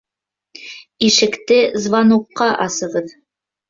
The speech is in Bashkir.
Ишекте звонокҡа асығыҙ